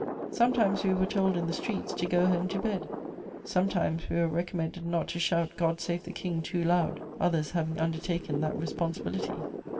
Sometimes we were told, in the streets, to go home to bed; sometimes we were recommended not to shout "God Save the King!" too loud, others having undertaken that responsibility.